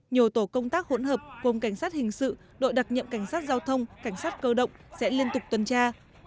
nhiều tổ công tác hỗn hợp gồm cảnh sát hình sự đội đặc nhiệm cảnh sát giao thông cảnh sát cơ động sẽ liên tục tuần tra